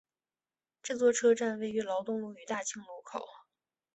这座车站位于劳动路与大庆路口。